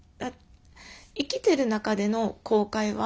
生きてる中での後悔は何だろう